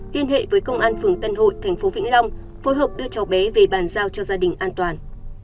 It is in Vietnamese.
liên hệ với công an phường tân hội thành phố vĩnh long phối hợp đưa cháu bé về bàn giao cho gia đình an toàn